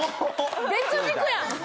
別軸やん。